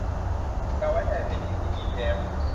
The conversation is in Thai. อย่าไว้ใจเพนกวินที่ยิ้มแย้ม